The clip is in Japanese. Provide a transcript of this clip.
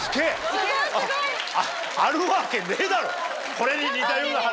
これに似たような話。